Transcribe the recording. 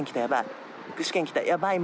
やばい。